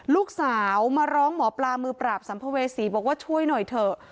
ลูกสาวมาร้องหมอปลามือปราบสัมภเวษีบอกว่าช่วยหน่อยเถอะ